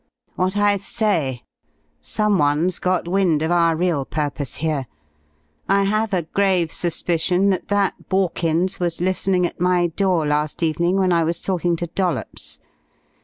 "What I say. Someone's got wind of our real purpose here. I have a grave suspicion that that Borkins was listening at my door last evening when I was talking to Dollops.